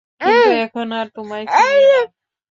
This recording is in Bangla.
কিন্তু এখন আর তোমায় চিনি না।